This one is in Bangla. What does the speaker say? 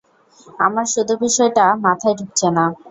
আমার শুধু বিষয়টা মাথায় ঢুকছে না!